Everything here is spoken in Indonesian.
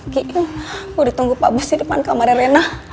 gue ditunggu pak bos di depan kamar reina